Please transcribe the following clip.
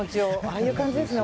ああいう感じですね。